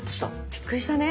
びっくりしたね！